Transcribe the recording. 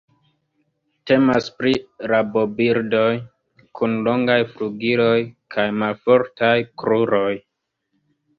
Temas pri rabobirdoj kun longaj flugiloj kaj malfortaj kruroj.